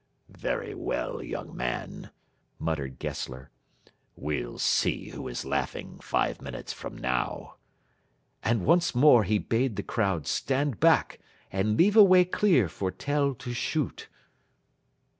"Very well, young man," muttered Gessler, "we'll see who is laughing five minutes from now." And once more he bade the crowd stand back and leave a way clear for Tell to shoot.